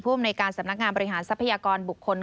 อำนวยการสำนักงานบริหารทรัพยากรบุคคล